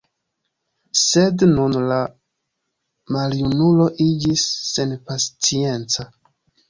Sed nun la maljunulo iĝis senpacienca.